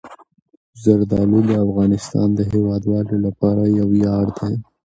زردالو د افغانستان د هیوادوالو لپاره یو ویاړ دی.